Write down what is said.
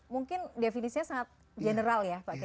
mungkin definisinya sangat generalisat